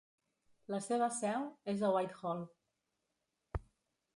La seva seu és a Whitehall.